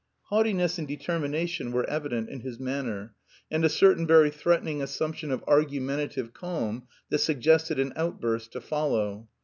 Haughtiness and determination were evident in his manner, and a certain very threatening assumption of argumentative calm that suggested an outburst to follow.